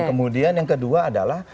kemudian yang kedua adalah